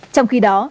trong khi đó